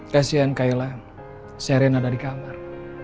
kasian kayla si reina ada di kamar